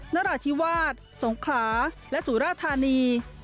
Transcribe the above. นราธิวาสสงขลาและสุราธานี